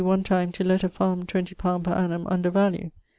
one time to lett a farme twenty pound per annum under value.